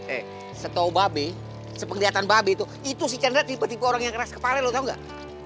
eh setau babi sepenglihatan babi tuh itu si cahandre tipe tipe orang yang keras kepala lo tau gak